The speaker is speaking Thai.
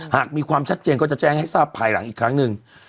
หากมีความชัดเจนก็จะแจ้งให้ทราบภายหลังอีกครั้งหนึ่ง